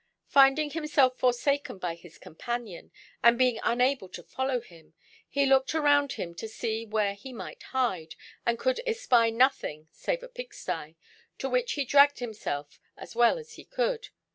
Finding himself forsaken by his companion and being unable to follow him, he looked around him to see where he might hide, and could espy nothing save a pigsty, to which he dragged himself as well as he could.